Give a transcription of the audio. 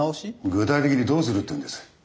具体的にどうするっていうんです？